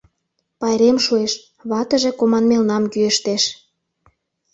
Пайрем шуэш — ватыже команмелнам кӱэштеш.